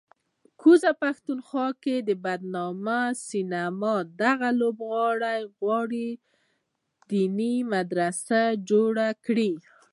کوزه پښتونخوا کې د بدنامې سینما دغه لوبغاړی غواړي دیني مدرسه جوړه کړي